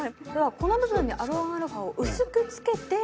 この部分にアロンアルフアを薄くつけて。